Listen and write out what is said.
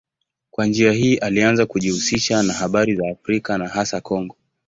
Kwa njia hii alianza kujihusisha na habari za Afrika na hasa Kongo.